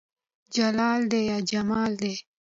جلال دى يا جمال دى